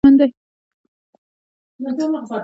د سور غوښې زیات خوراک روغتیا ته زیانمن دی.